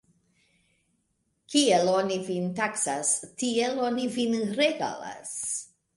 Kiel oni vin taksas, tiel oni vin regalas.